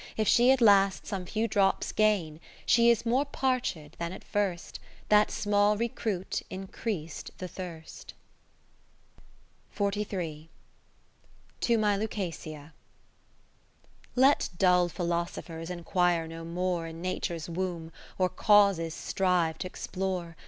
If she at last some few drops gain, She is more parched than at first ; That small recruit increas'd the thirst. 40 To my Liicasia Let dull philosophers enquire no more In Nature's womb, or causes strive t' explore.